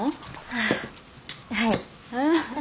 ああはい。